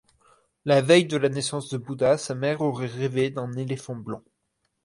La veille de la naissance de Bouddha, sa mère aurait rêvé d’un éléphant blanc.